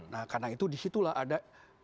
nah karena itu disitulah ada